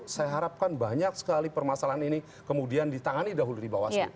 saya harapkan banyak sekali permasalahan ini kemudian ditangani dahulu di bawaslu